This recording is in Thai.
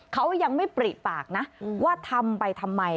เขายังไม่ปริปากนะว่าทำไปทำไม